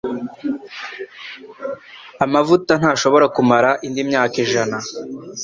Amavuta ntashobora kumara indi myaka ijana.